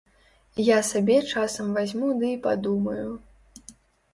Я сабе часам вазьму ды і падумаю.